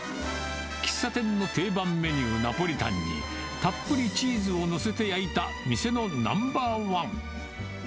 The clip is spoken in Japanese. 喫茶店の定番メニュー、ナポリタンに、たっぷりチーズを載せて焼いた店のナンバーワン。